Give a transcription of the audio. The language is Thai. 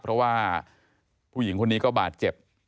เพราะว่าผู้หญิงคนนี้ก็บาดเจ็บ